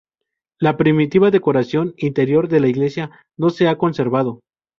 La primitiva decoración interior de la iglesia no se ha conservado.